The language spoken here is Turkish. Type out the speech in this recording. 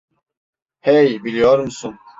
Hey, biliyor musun?